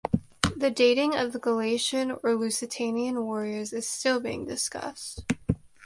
The dating of the Gallaecian or Lusitanian Warriors is still being discussed.